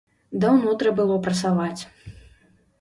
Даўно трэ было прасаваць.